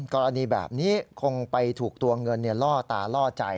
กรณีแบบนี้คงไปถูกตัวเงินล่อตาล่อใจ